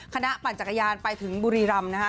คณะปั่นจักรยานไปถึงบุรีรัมน์นะฮะ